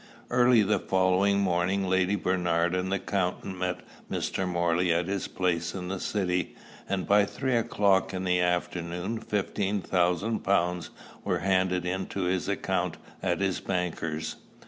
Early the following morning Lady Bernard and the accountant met Mr. Morley at his place in the city, and by three o'clock in the afternoon fifteen thousand pounds were handed in to his account at his banker's.